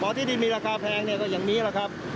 ที่ดินมีราคาแพงเนี่ยก็อย่างนี้แหละครับ